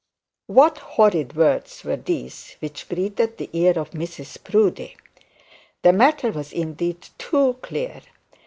What horrid words were these which greeted the ear of Mrs Proudie? The matter was indeed too clear.